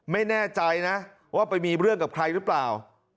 ไม่แน่ใจนะว่าไปมีเรื่องกับใครหรือเปล่า